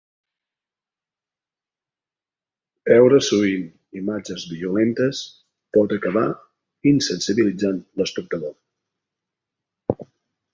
Veure sovint imatges violentes pot acabar insensibilitzant l'espectador.